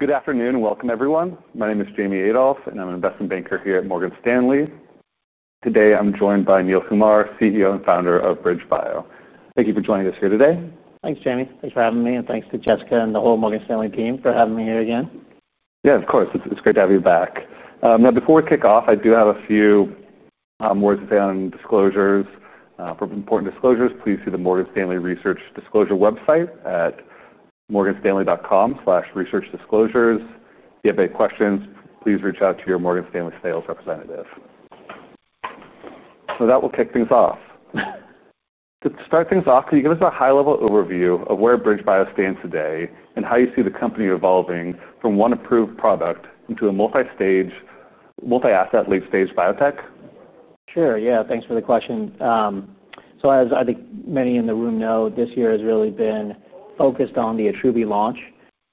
Good afternoon and welcome, everyone. My name is Jamie Adolph, and I'm an investment banker here at Morgan Stanley. Today, I'm joined by Neil Kumar, CEO and founder of BridgeBio Pharma. Thank you for joining us here today. Thanks, Jamie. Thanks for having me, and thanks to Jessica and the whole Morgan Stanley team for having me here again. Yeah, of course. It's great to have you back. Now, before we kick off, I do have a few words to say on disclosures. For important disclosures, please see the Morgan Stanley Research Disclosure website at morganstanley.com/researchdisclosures. If you have any questions, please reach out to your Morgan Stanley sales representative. That will kick things off. To start things off, can you give us a high-level overview of where BridgeBio Pharma stands today and how you see the company evolving from one approved product into a multi-stage, multi-asset, late-stage biotech? Sure. Yeah, thanks for the question. As I think many in the room know, this year has really been focused on the ATRUVI launch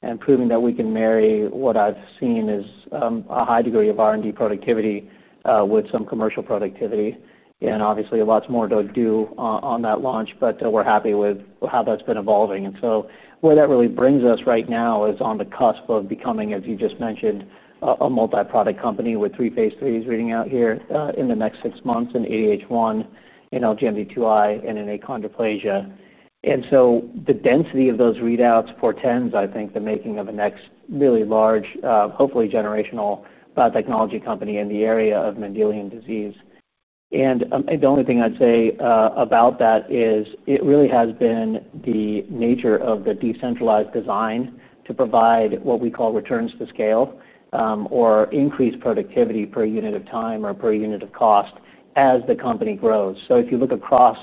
and proving that we can marry what I've seen as a high degree of R&D productivity with some commercial productivity. Obviously, lots more to do on that launch, but we're happy with how that's been evolving. Where that really brings us right now is on the cusp of becoming, as you just mentioned, a multi-product company with three phase III readouts here in the next six months in ACH1, in LGMD2i, and in achondroplasia. The density of those readouts portends, I think, the making of the next really large, hopefully generational biotechnology company in the area of Mendelian disease. The only thing I'd say about that is it really has been the nature of the decentralized design to provide what we call returns to scale or increased productivity per unit of time or per unit of cost as the company grows. If you look across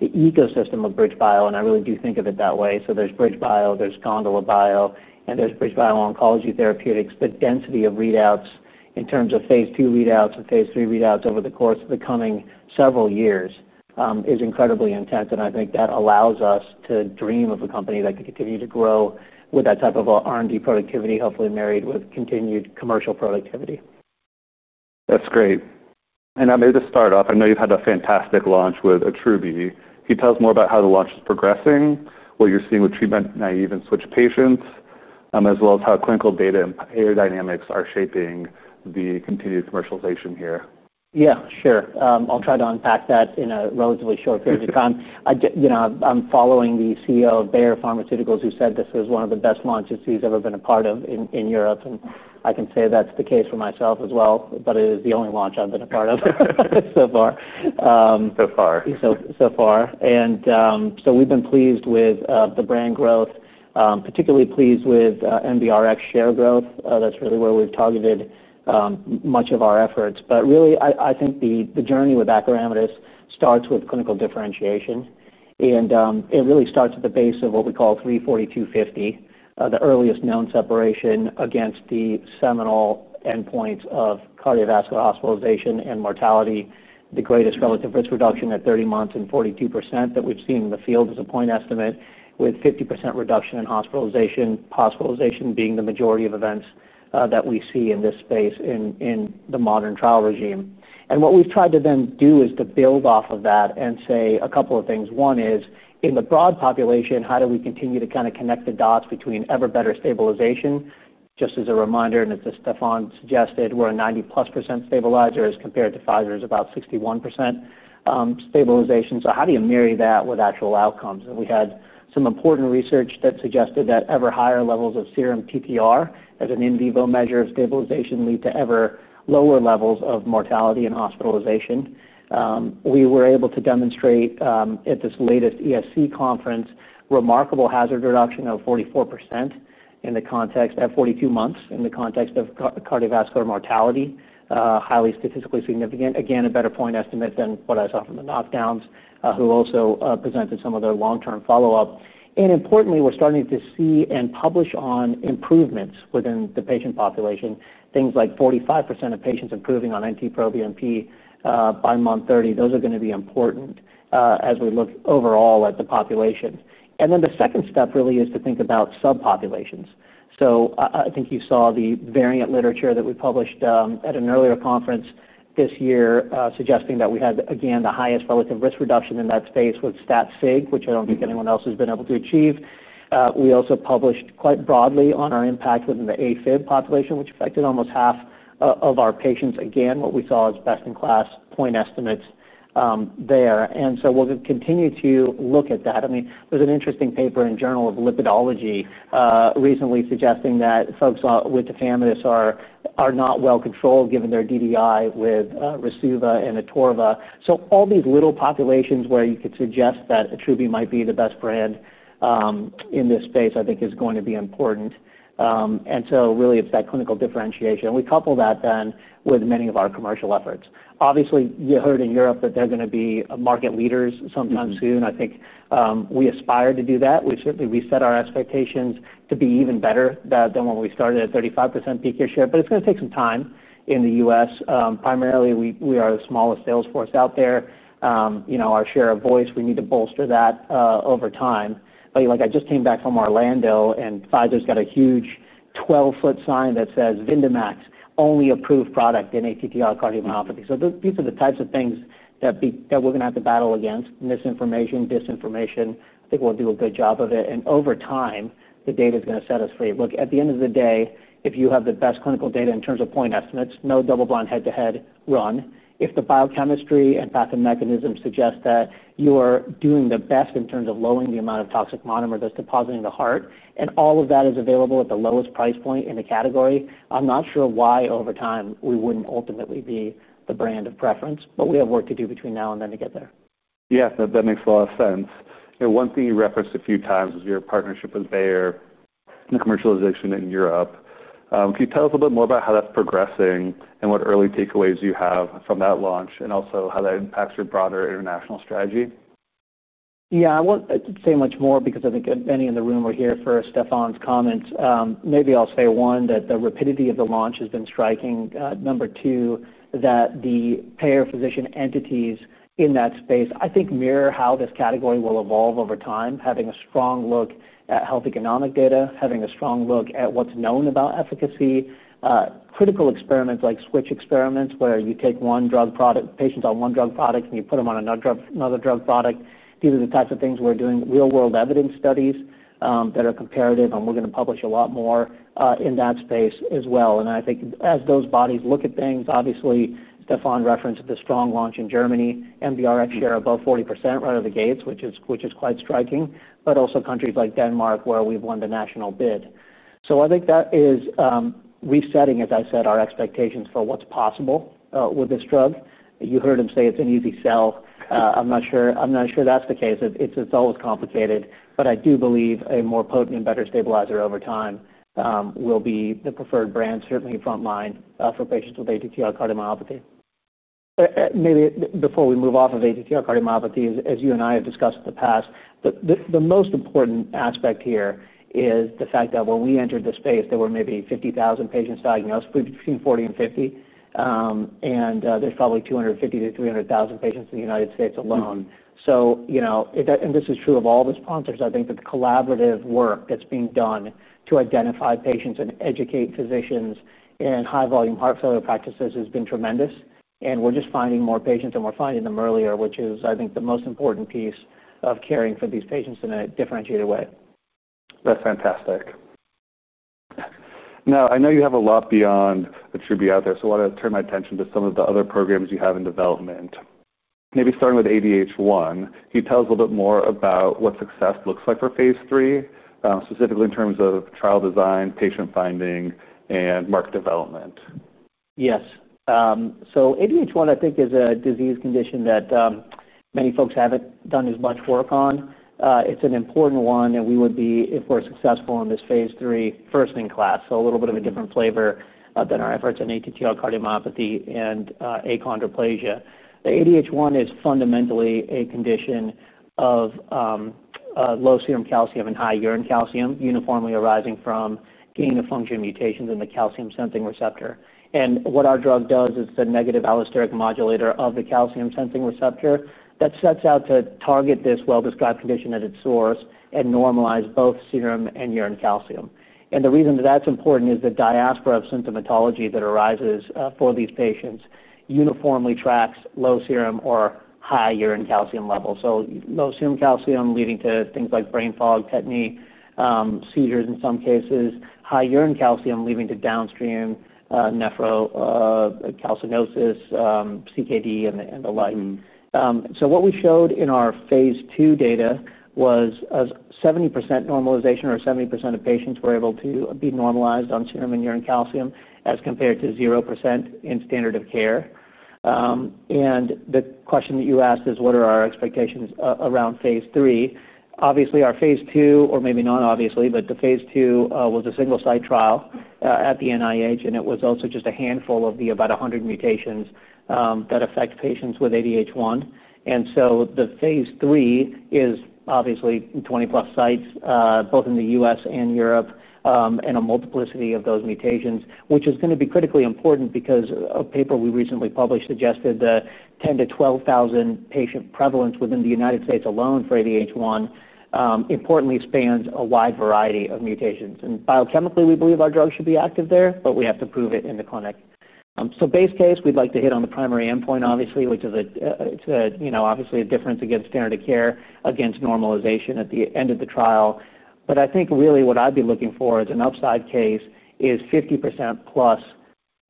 the ecosystem of BridgeBio Pharma, and I really do think of it that way, so there's BridgeBio Pharma, there's GondolaBio, and there's BridgeBio Oncology Therapeutics. The density of readouts in terms of phase II readouts and phase III readouts over the course of the coming several years is incredibly intense. I think that allows us to dream of a company that could continue to grow with that type of R&D productivity, hopefully married with continued commercial productivity. That's great. I may just start off. I know you've had a fantastic launch with ATRUVI. Can you tell us more about how the launch is progressing, what you're seeing with treatment-naive and switch patients, as well as how clinical data and payer dynamics are shaping the continued commercialization here? Yeah, sure. I'll try to unpack that in a relatively short period of time. I'm following the CEO of Bayer, who said this was one of the best launches he's ever been a part of in Europe. I can say that's the case for myself as well, but it is the only launch I've been a part of so far. So far. So far, we've been pleased with the brand growth, particularly pleased with MBRX share growth. That's really where we've targeted much of our efforts. I think the journey with acoramidis starts with clinical differentiation. It really starts at the base of what we call 342.50, the earliest known separation against the seminal endpoints of cardiovascular hospitalization and mortality, the greatest relative risk reduction at 30 months and 42% that we've seen in the field as a point estimate, with 50% reduction in hospitalization, hospitalization being the majority of events that we see in this space in the modern trial regime. What we've tried to then do is to build off of that and say a couple of things. One is, in the broad population, how do we continue to kind of connect the dots between ever better stabilization? Just as a reminder, and as Stefan suggested, we're a 90+% stabilizer as compared to Pfizer's about 61% stabilization. How do you marry that with actual outcomes? We had some important research that suggested that ever higher levels of serum TTR as an in vivo measure of stabilization lead to ever lower levels of mortality and hospitalization. We were able to demonstrate at this latest ESC conference remarkable hazard reduction of 44% in the context of 42 months in the context of cardiovascular mortality, highly statistically significant. Again, a better point estimate than what I saw from the knockdowns, who also presented some of their long-term follow-up. Importantly, we're starting to see and publish on improvements within the patient population, things like 45% of patients improving on anti-ProBNP by month 30. Those are going to be important as we look overall at the population. The second step really is to think about subpopulations. I think you saw the variant literature that we published at an earlier conference this year suggesting that we had, again, the highest relative risk reduction in that space with STAT-CIG, which I don't think anyone else has been able to achieve. We also published quite broadly on our impact within the AFib population, which affected almost half of our patients. Again, what we saw as best-in-class point estimates there. We'll continue to look at that. There is an interesting paper in the Journal of Lipidology recently suggesting that folks with tafamidis are not well controlled given their DDI with Rasuva and Atorva. All these little populations where you could suggest that ATRUVI might be the best friend in this space, I think, is going to be important. It's that clinical differentiation. We couple that then with many of our commercial efforts. Obviously, you heard in Europe that they're going to be market leaders sometime soon. I think we aspire to do that. We certainly reset our expectations to be even better than when we started at 35% peak share, but it's going to take some time in the U.S. Primarily, we are the smallest sales force out there. Our share of voice, we need to bolster that over time. I just came back from Orlando, and Pfizer's got a huge 12-foot sign that says Vindamax, only approved product in ATTR cardiomyopathy. These are the types of things that we're going to have to battle against: misinformation, disinformation. I think we'll do a good job of it. Over time, the data is going to set us free. At the end of the day, if you have the best clinical data in terms of point estimates, no double-blind head-to-head run, if the biochemistry and path and mechanism suggest that you are doing the best in terms of lowering the amount of toxic monomer that's depositing in the heart, and all of that is available at the lowest price point in the category, I'm not sure why over time we wouldn't ultimately be the brand of preference. We have work to do between now and then to get there. Yeah, that makes a lot of sense. One thing you referenced a few times is your partnership with Bayer in the commercialization in Europe. Can you tell us a little bit more about how that's progressing and what early takeaways you have from that launch, and also how that impacts your broader international strategy? Yeah, I won't say much more because I think many in the room were here for Stefan's comments. Maybe I'll say one, that the rapidity of the launch has been striking. Number two, that the payer physician entities in that space, I think, mirror how this category will evolve over time, having a strong look at health economic data, having a strong look at what's known about efficacy, critical experiments like switch experiments where you take one drug product, patients on one drug product, and you put them on another drug product. These are the types of things we're doing, real-world evidence studies that are comparative, and we're going to publish a lot more in that space as well. I think as those bodies look at things, obviously, Stefan referenced the strong launch in Germany, MBRX share above 40% right out of the gates, which is quite striking, but also countries like Denmark where we've won the national bid. I think that is resetting, as I said, our expectations for what's possible with this drug. You heard him say it's an easy sell. I'm not sure that's the case. It's a thought that's complicated. I do believe a more potent and better stabilizer over time will be the preferred brand, certainly front line for patients with ATTR cardiomyopathy. Maybe before we move off of ATTR cardiomyopathy, as you and I have discussed in the past, the most important aspect here is the fact that when we entered this space, there were maybe 50,000 patients diagnosed. We've seen 40 and 50. There's probably 250,000 to 300,000 patients in the U.S. alone. This is true of all the sponsors. I think that the collaborative work that's being done to identify patients and educate physicians in high-volume heart failure practices has been tremendous. We're just finding more patients, and we're finding them earlier, which is, I think, the most important piece of caring for these patients in a differentiated way. That's fantastic. Now, I know you have a lot beyond ATRUVI out there, so I want to turn my attention to some of the other programs you have in development. Maybe starting with ACH1, can you tell us a little bit more about what success looks like for phase III, specifically in terms of trial design, patient finding, and market development? Yes. ADH1, I think, is a disease condition that many folks haven't done as much work on. It's an important one, and we would be, if we're successful in this phase III, first-in-class, so a little bit of a different flavor than our efforts in ATTR cardiomyopathy and achondroplasia. The ADH1 is fundamentally a condition of low serum calcium and high urine calcium uniformly arising from gain of function mutations in the calcium-sensing receptor. What our drug does is it's a negative allosteric modulator of the calcium-sensing receptor that sets out to target this well-described condition at its source and normalize both serum and urine calcium. The reason that that's important is the diaspora of symptomatology that arises for these patients uniformly tracks low serum or high urine calcium levels. Low serum calcium leads to things like brain fog, tetany, seizures in some cases, and high urine calcium leads to downstream nephrocalcinosis, CKD, and the like. What we showed in our phase II data was a 70% normalization, or 70% of patients were able to be normalized on serum and urine calcium as compared to 0% in standard of care. The question that you asked is, what are our expectations around phase III? Obviously, our phase II, or maybe not obviously, but the phase II was a single-site trial at the NIH, and it was also just a handful of the about 100 mutations that affect patients with ADH1. The phase III is obviously 20-plus sites, both in the U.S. and Europe, and a multiplicity of those mutations, which is going to be critically important because a paper we recently published suggested the 10,000 to 12,000 patient prevalence within the United States alone for ADH1 importantly spans a wide variety of mutations. Biochemically, we believe our drug should be active there, but we have to prove it in the clinic. Base case, we'd like to hit on the primary endpoint, obviously, which is a difference against standard of care against normalization at the end of the trial. What I'd be looking for as an upside case is 50% plus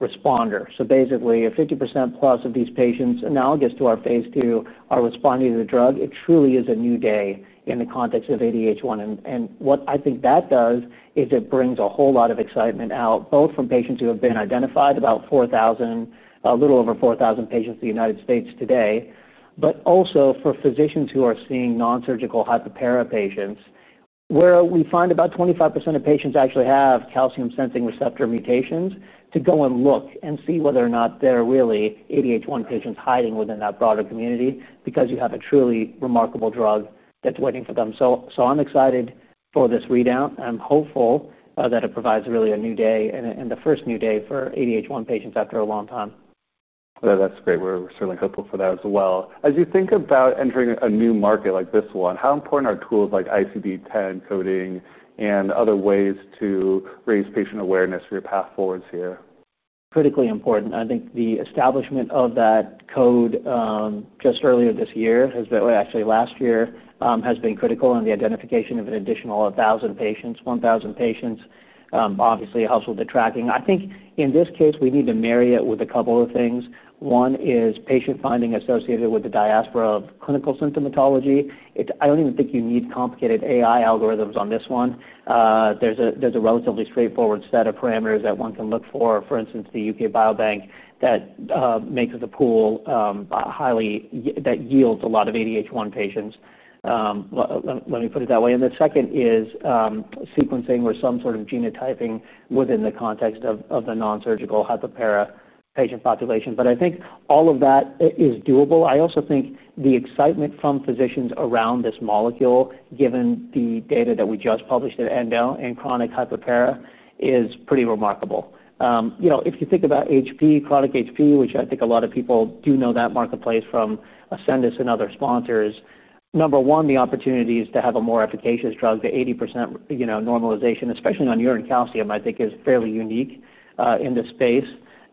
responders. Basically, if 50% plus of these patients, analogous to our phase II, are responding to the drug, it truly is a new day in the context of ADH1. What I think that does is it brings a whole lot of excitement out, both from patients who have been identified, about 4,000, a little over 4,000 patients in the U.S. today, but also for physicians who are seeing nonsurgical hyperpara patients, where we find about 25% of patients actually have calcium-sensing receptor mutations to go and look and see whether or not there are really ACH1 patients hiding within that broader community because you have a truly remarkable drug that's waiting for them. I'm excited for this readout. I'm hopeful that it provides really a new day and the first new day for ACH1 patients after a long time. Yeah, that's great. We're certainly hopeful for that as well. As you think about entering a new market like this one, how important are tools like ICD-10 coding and other ways to raise patient awareness for your path forwards here? Critically important. I think the establishment of that code just earlier this year, actually last year, has been critical in the identification of an additional 1,000 patients. 1,000 patients obviously helps with the tracking. I think in this case, we need to marry it with a couple of things. One is patient finding associated with the diaspora of clinical symptomatology. I don't even think you need complicated AI algorithms on this one. There's a relatively straightforward set of parameters that one can look for. For instance, the UK Biobank that makes the pool highly that yields a lot of ACH1 patients. Let me put it that way. The second is sequencing or some sort of genotyping within the context of the nonsurgical hyperpara patient population. I think all of that is doable. I also think the excitement from physicians around this molecule, given the data that we just published at Endo in chronic hyperpara, is pretty remarkable. You know, if you think about HP, chronic HP, which I think a lot of people do know that marketplace from Ascendus and other sponsors, number one, the opportunities to have a more efficacious drug, the 80% normalization, especially on urine calcium, I think is fairly unique in this space.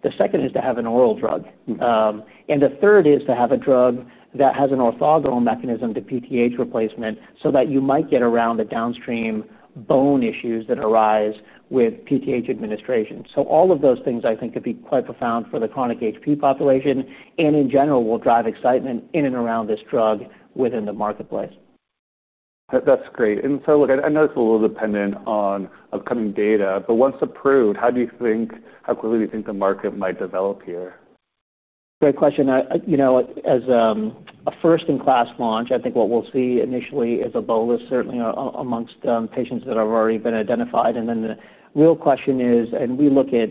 The second is to have an oral drug. The third is to have a drug that has an orthogonal mechanism to PTH replacement so that you might get around the downstream bone issues that arise with PTH administration. All of those things, I think, could be quite profound for the chronic HP population. In general, will drive excitement in and around this drug within the marketplace. That's great. I know it's a little dependent on upcoming data, but once approved, how do you think, how quickly do you think the market might develop here? Great question. As a first-in-class launch, I think what we'll see initially is a bolus, certainly amongst patients that have already been identified. The real question is, we look at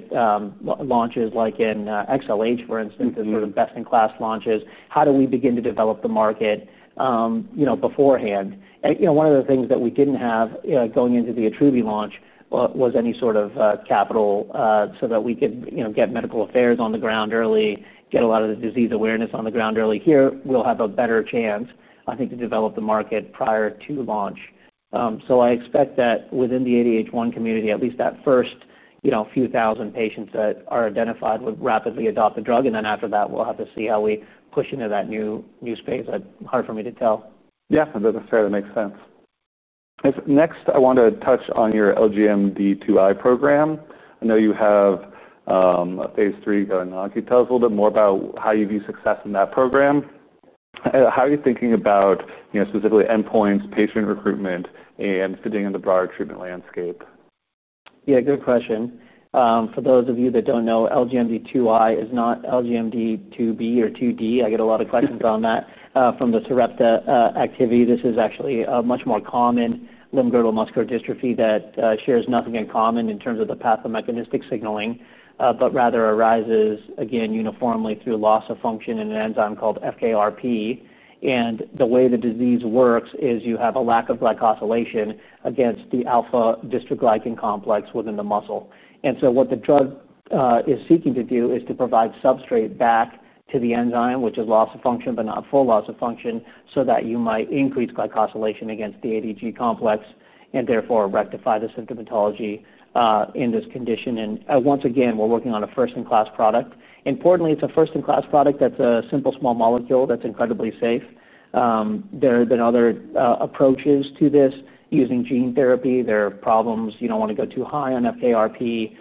launches like in XLH, for instance, the sort of best-in-class launches, how do we begin to develop the market beforehand? One of the things that we didn't have going into the ATRUVI launch was any sort of capital so that we could get medical affairs on the ground early, get a lot of the disease awareness on the ground early. Here, we'll have a better chance, I think, to develop the market prior to launch. I expect that within the ADH1 community, at least that first few thousand patients that are identified would rapidly adopt the drug. After that, we'll have to see how we push into that new space. Hard for me to tell. Yeah, that does certainly make sense. Next, I want to touch on your LGMD2i program. I know you have phase III going on. Can you tell us a little bit more about how you view success in that program? How are you thinking about, you know, specifically endpoints, patient recruitment, and fitting in the broader treatment landscape? Yeah, good question. For those of you that don't know, LGMD2i is not LGMD2b or 2d. I get a lot of questions on that from the SIREPTA activity. This is actually a much more common limb-girdle muscular dystrophy that shares nothing in common in terms of the pathomechanistic signaling, but rather arises, again, uniformly through loss of function in an enzyme called FKRP. The way the disease works is you have a lack of glycosylation against the alpha dystroglycan complex within the muscle. What the drug is seeking to do is to provide substrate back to the enzyme, which is loss of function, but not full loss of function, so that you might increase glycosylation against the ADG complex and therefore rectify the symptomatology in this condition. Once again, we're working on a first-in-class product. Importantly, it's a first-in-class product that's a simple small molecule that's incredibly safe. There have been other approaches to this using gene therapy. There are problems. You don't want to go too high on FKRP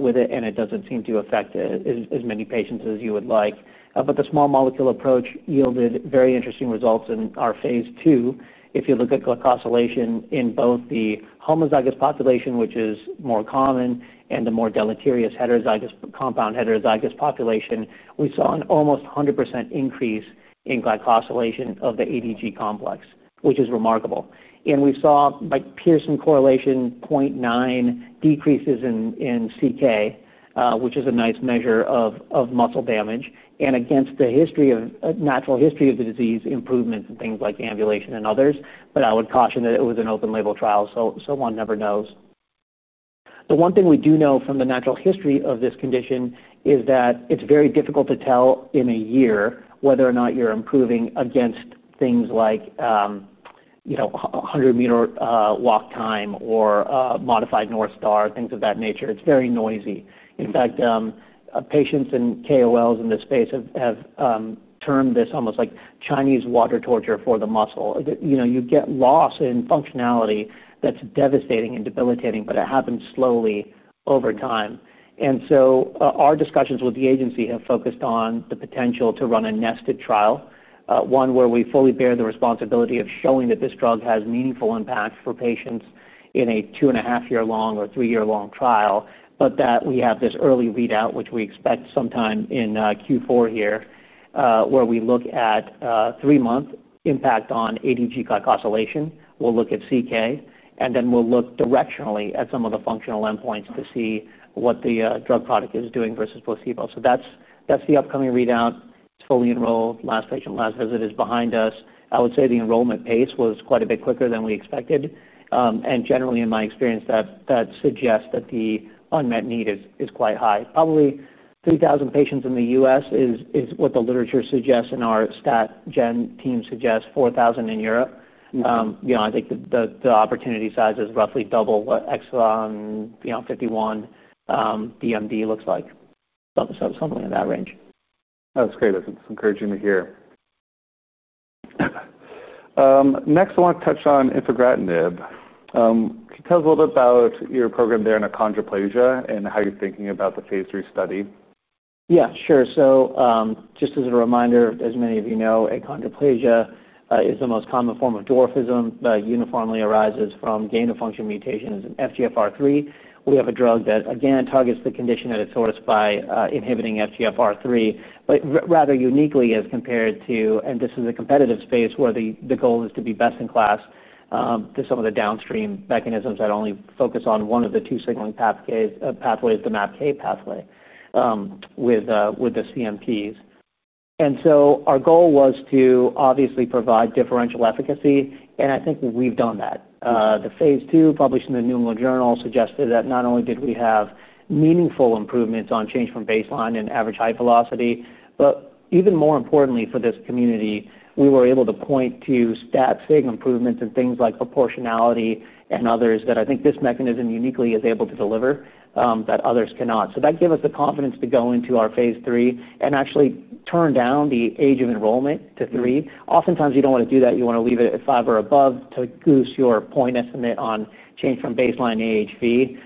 with it, and it doesn't seem to affect as many patients as you would like. The small molecule approach yielded very interesting results in our phase II. If you look at glycosylation in both the homozygous population, which is more common, and the more deleterious heterozygous, compound heterozygous population, we saw an almost 100% increase in glycosylation of the ADG complex, which is remarkable. We saw by Pearson correlation 0.9 decreases in CK, which is a nice measure of muscle damage. Against the history of natural history of the disease, improvements in things like ambulation and others were observed. I would caution that it was an open-label trial, so one never knows. The one thing we do know from the natural history of this condition is that it's very difficult to tell in a year whether or not you're improving against things like, you know, 100-meter walk time or modified North Star, things of that nature. It's very noisy. In fact, patients and KOLs in this space have termed this almost like Chinese water torture for the muscle. You know, you get loss in functionality that's devastating and debilitating, but it happens slowly over time. Our discussions with the agency have focused on the potential to run a nested trial, one where we fully bear the responsibility of showing that this drug has meaningful impact for patients in a two-and-a-half-year-long or three-year-long trial, but that we have this early readout, which we expect sometime in Q4 here, where we look at three-month impact on ADG glycosylation. We'll look at CK, and then we'll look directionally at some of the functional endpoints to see what the drug product is doing versus placebo. That's the upcoming readout. It's fully enrolled. Last patient last visit is behind us. I would say the enrollment pace was quite a bit quicker than we expected. Generally, in my experience, that suggests that the unmet need is quite high. Probably 3,000 patients in the U.S. is what the literature suggests, and our STAT-Gen team suggests 4,000 in Europe. I think the opportunity size is roughly double what Exon 51 DMD looks like, so something in that range. That's great. That's encouraging to hear. Next, I want to touch on infigratinib. Can you tell us a little bit about your program there in achondroplasia and how you're thinking about the phase III study? Yeah, sure. Just as a reminder, as many of you know, achondroplasia is the most common form of dwarfism that uniformly arises from gain of function mutations in FGFR3. We have a drug that, again, targets the condition at its source by inhibiting FGFR3, but rather uniquely as compared to, and this is a competitive space where the goal is to be best in class to some of the downstream mechanisms that only focus on one of the two signaling pathways, the MAPK pathway with the CMPs. Our goal was to obviously provide differential efficacy, and I think we've done that. The phase II published in the New England Journal suggested that not only did we have meaningful improvements on change from baseline and average height velocity, but even more importantly for this community, we were able to point to statistically significant improvements in things like proportionality and others that I think this mechanism uniquely is able to deliver that others cannot. That gave us the confidence to go into our phase III and actually turn down the age of enrollment to three. Oftentimes, you don't want to do that. You want to leave it at five or above to boost your point estimate on change from baseline AHV.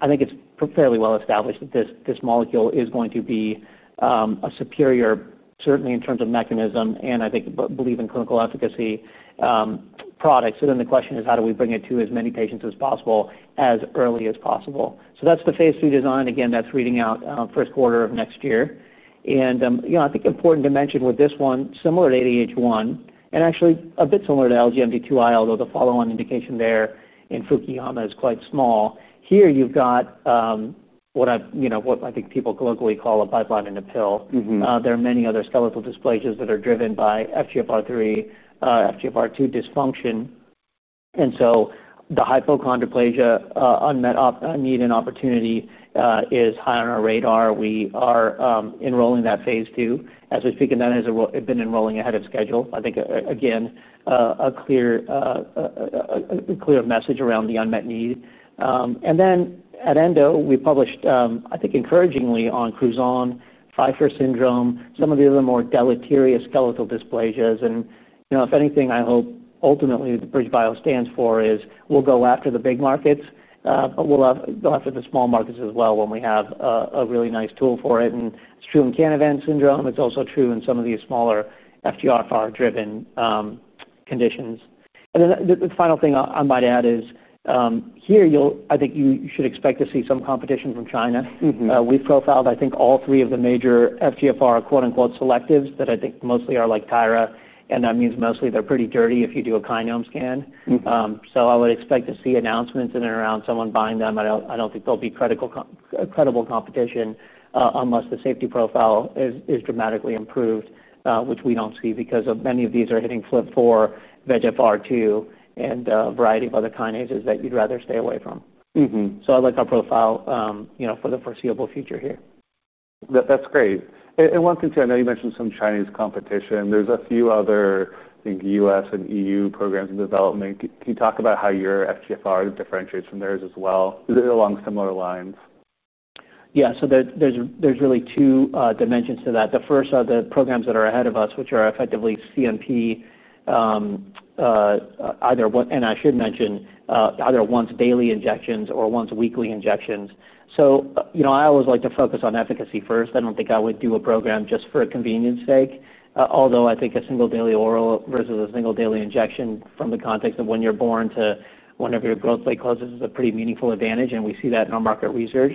I think it's fairly well established that this molecule is going to be a superior, certainly in terms of mechanism, and I think believe in clinical efficacy products. The question is, how do we bring it to as many patients as possible as early as possible? That's the phase III design. Again, that's reading out first quarter of next year. I think important to mention with this one, similar to ACH1, and actually a bit similar to LGMD2i, although the follow-on indication there in Fukuyama is quite small. Here, you've got what I think people colloquially call a pipeline in a pill. There are many other skeletal dysplasias that are driven by FGFR3, FGFR2 dysfunction. The hypochondroplasia unmet need and opportunity is high on our radar. We are enrolling that phase II. As we're speaking then, it's been enrolling ahead of schedule. I think, again, a clear message around the unmet need. At Endo, we published, I think, encouragingly on Crouzon, Pfeiffer syndrome, some of the other more deleterious skeletal dysplasias. If anything, I hope ultimately what BridgeBio stands for is we'll go after the big markets, but we'll go after the small markets as well when we have a really nice tool for it. It's true in Canavan syndrome. It's also true in some of these smaller FGFR-driven conditions. The final thing I might add is here, I think you should expect to see some competition from China. We've profiled, I think, all three of the major FGFR selectives that I think mostly are like Tyrra, and that means mostly they're pretty dirty if you do a kinome scan. I would expect to see announcements in and around someone buying them. I don't think there'll be credible competition unless the safety profile is dramatically improved, which we don't see because many of these are hitting FLT4, VEGFR2, and a variety of other kinases that you'd rather stay away from. I like our profile for the foreseeable future here. That's great. One thing too, I know you mentioned some Chinese competition. There are a few other, I think, U.S. and EU programs in development. Can you talk about how your FGFR differentiates from theirs as well? Is it along similar lines? Yeah, so there's really two dimensions to that. The first are the programs that are ahead of us, which are effectively CMP, either one, and I should mention, either once-daily injections or once-weekly injections. I always like to focus on efficacy first. I don't think I would do a program just for a convenience sake, although I think a single daily oral versus a single daily injection from the context of when you're born to whenever your growth plate closes is a pretty meaningful advantage, and we see that in our market research.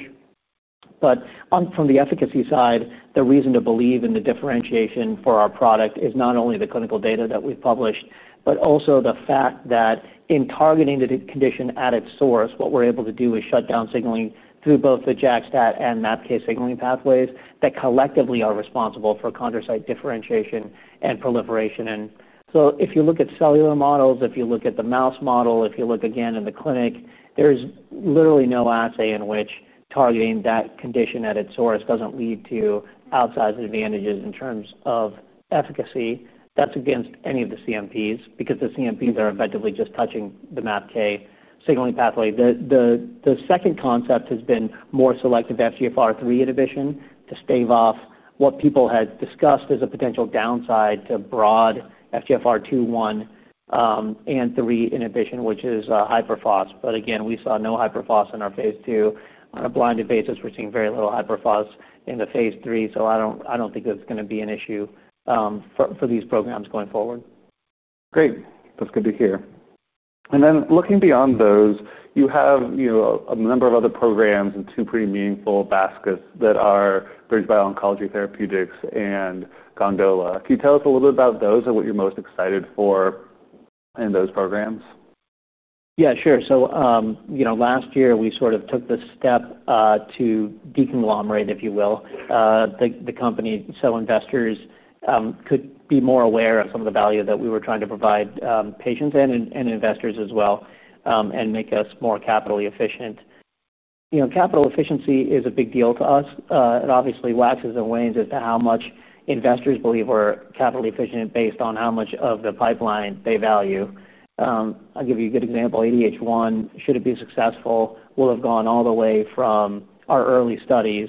From the efficacy side, the reason to believe in the differentiation for our product is not only the clinical data that we've published, but also the fact that in targeting the condition at its source, what we're able to do is shut down signaling through both the JAK-STAT and MAPK signaling pathways that collectively are responsible for chondrocyte differentiation and proliferation. If you look at cellular models, if you look at the mouse model, if you look again in the clinic, there's literally no assay in which targeting that condition at its source doesn't lead to outsized advantages in terms of efficacy. That's against any of the CMPs because the CMPs are effectively just touching the MAPK signaling pathway. The second concept has been more selective FGFR3 inhibition to stave off what people had discussed as a potential downside to broad FGFR2, 1, and 3 inhibition, which is hyperphoss. Again, we saw no hyperphoss in our phase II. On a blinded basis, we're seeing very little hyperphoss in the phase III, so I don't think that's going to be an issue for these programs going forward. Great. That's good to hear. Looking beyond those, you have a number of other programs and two pretty meaningful baskets that are BridgeBio Oncology Therapeutics and GondolaBio. Can you tell us a little bit about those and what you're most excited for in those programs? Yeah, sure. Last year, we sort of took the step to de-conglomerate, if you will. The company so investors could be more aware of some of the value that we were trying to provide patients and investors as well and make us more capitally efficient. Capital efficiency is a big deal to us. It obviously waxes and wanes as to how much investors believe we're capitally efficient based on how much of the pipeline they value. I'll give you a good example. ACH1, should it be successful, will have gone all the way from our early studies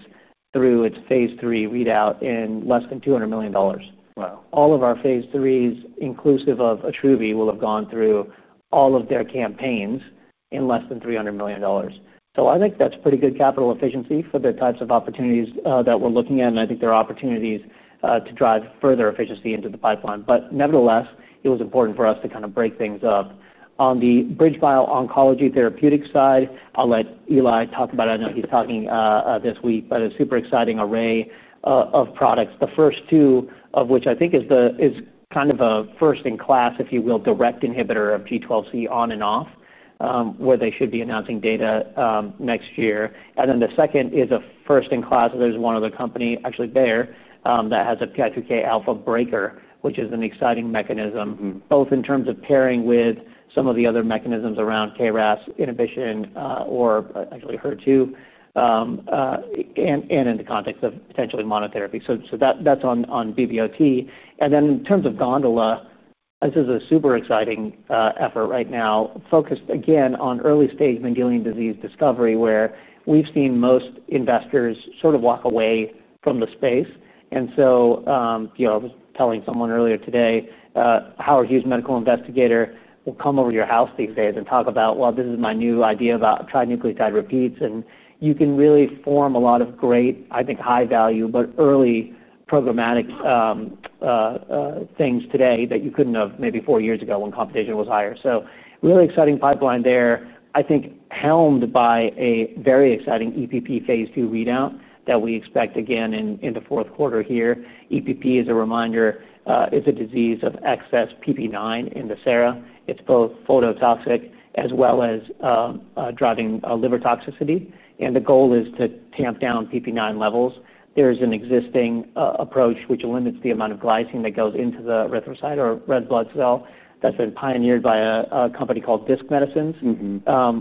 through its phase III readout in less than $200 million. Wow. All of our phase IIIs, inclusive of ATRUVI, will have gone through all of their campaigns in less than $300 million. I think that's pretty good capital efficiency for the types of opportunities that we're looking at. I think there are opportunities to drive further efficiency into the pipeline. Nevertheless, it was important for us to kind of break things up. On the BridgeBio Oncology Therapeutics side, I'll let Eli talk about it. I know he's talking this week, but a super exciting array of products. The first two of which I think is kind of a first-in-class, if you will, direct inhibitor of G12C on and off, where they should be announcing data next year. The second is a first-in-class. There's one other company, actually Bayer, that has a PI2K alpha breaker, which is an exciting mechanism, both in terms of pairing with some of the other mechanisms around KRAS inhibition or actually HER2 and in the context of potentially monotherapy. That's on BBOT. In terms of Gondola, this is a super exciting effort right now, focused again on early-stage Mendelian disease discovery, where we've seen most investors sort of walk away from the space. I was telling someone earlier today, Howard Hughes, medical investigator, will come over to your house these days and talk about, well, this is my new idea about trinucleotide repeats. You can really form a lot of great, I think, high-value but early programmatic things today that you couldn't have maybe four years ago when competition was higher. Really exciting pipeline there. I think helmed by a very exciting EPP phase II readout that we expect again in the fourth quarter here. EPP, as a reminder, is a disease of excess PP9 in the sera. It's both phototoxic as well as driving liver toxicity. The goal is to tamp down PP9 levels. There is an existing approach which limits the amount of glycine that goes into the erythrocyte or red blood cell that's been pioneered by a company called Disk Medicines.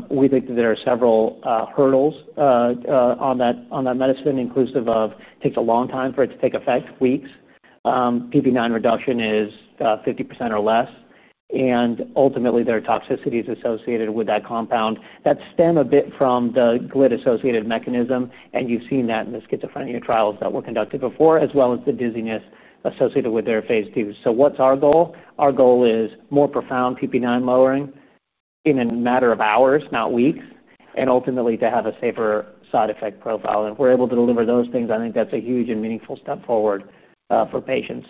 We think that there are several hurdles on that medicine, inclusive of it takes a long time for it to take effect, weeks. PP9 reduction is 50% or less. Ultimately, there are toxicities associated with that compound that stem a bit from the glit associated mechanism. You've seen that in the schizophrenia trials that were conducted before, as well as the dizziness associated with their phase II. What's our goal? Our goal is more profound PP9 lowering in a matter of hours, not weeks, and ultimately to have a safer side effect profile. If we're able to deliver those things, I think that's a huge and meaningful step forward for patients.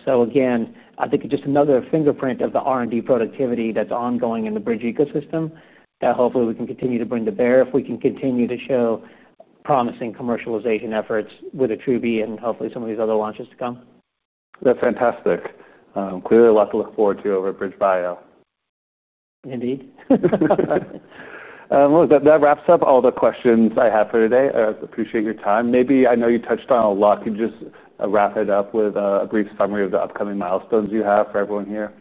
I think it's just another fingerprint of the R&D productivity that's ongoing in the BridgeBio ecosystem that hopefully we can continue to bring to bear if we can continue to show promising commercialization efforts with ATRUVI and hopefully some of these other launches to come. That's fantastic. Clearly, a lot to look forward to over at BridgeBio Pharma. Indeed. That wraps up all the questions I have for today. I appreciate your time. Maybe I know you touched on a lot. Can you just wrap it up with a brief summary of the upcoming milestones you have for everyone here?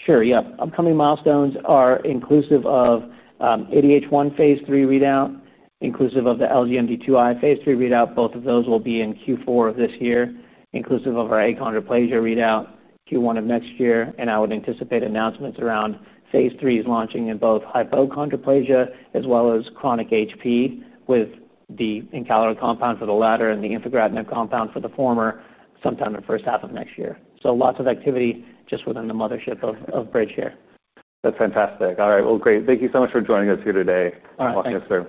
Sure. Yeah. Upcoming milestones are inclusive of ADH1 phase III readout, inclusive of the LGMD2i phase III readout. Both of those will be in Q4 of this year, inclusive of our achondroplasia readout Q1 of next year. I would anticipate announcements around phase III's launching in both hypochondroplasia as well as chronic HP, with the encalor compound for the latter and the infigratinib compound for the former, sometime in the first half of next year. Lots of activity just within the mothership of BridgeBio here. That's fantastic. All right. Great. Thank you so much for joining us here today. All right. I'll talk to you next week.